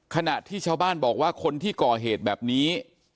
ขณะที่ชาวบ้านบอกว่าคนที่ก่อเหตุแบบนี้